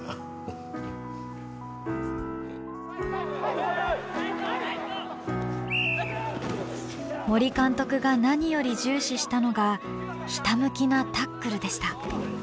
口癖は森監督が何より重視したのがひたむきなタックルでした。